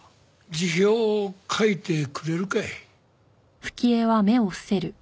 辞表を書いてくれるかい？